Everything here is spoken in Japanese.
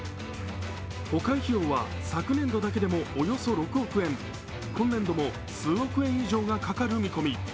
保管費用は昨年度だけでもおよそ６億円、今年度も数億円以上がかかる見込み。